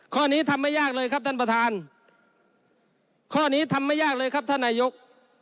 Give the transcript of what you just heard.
ข้อนี้ทำไม่ยากเลยครับท่านประธานข้อนี้ทำไม่ยากเลยครับท่านนายก